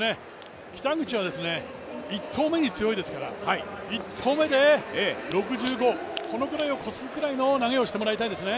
北口は１投目に強いですから１投目で６５、このくらいを越すくらいの投げをしてもらいたいですね。